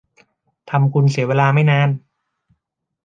ทำคุณเสียเวลาไม่นาน